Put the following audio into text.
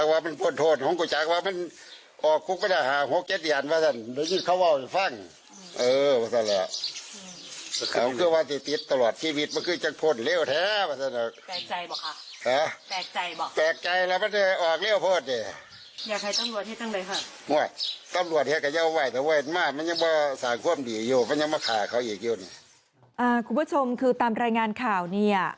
คุณผู้ชมคือตามรายงานข่าวเนี่ย